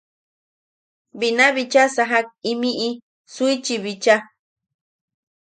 Bina bicha sajak imiʼi suichi bicha.